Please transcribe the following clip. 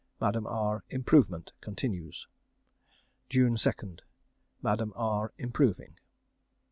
Madame R. Improvement continues. JUNE 2nd. Madame R improving.